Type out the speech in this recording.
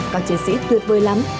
các chiến sĩ tuyệt vời lắm